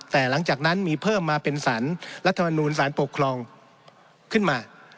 แต่หลังจากนั้นมีเพิ่มมาเป็นสารรัฐมนูลสารปกครองขึ้นมา